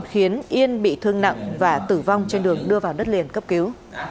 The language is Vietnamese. khiến yên bị thương nặng và tử vong trên đường đưa vào đất liền cấp cứu